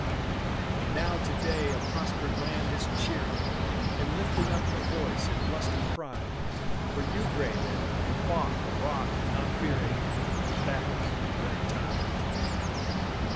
And now to day a prospered land is cheering And lifting up her voice in lusty pride For you gray men, who fought and wrought, not fearing Battle's red tide.